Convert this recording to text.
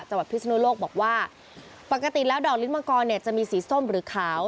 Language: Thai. จังหวัดพิศนุโลกบอกว่าปกติแล้วดอกลิ้นมองกรจะมีสีส้มหรือขาว